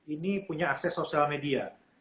ini punya akses sosial media